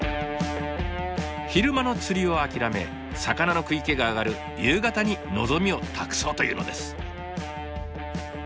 昼間の釣りを諦め魚の食い気が上がる夕方に望みを託そうというのです。